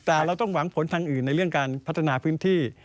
แต่เราต้องหวังผลทางอื่นในเรื่องการพัฒนาพื้นที่